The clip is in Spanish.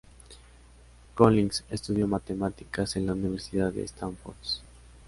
Collins estudió Matemáticas en la Universidad de Stanford.